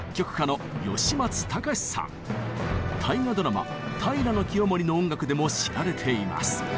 大河ドラマ「平清盛」の音楽でも知られています。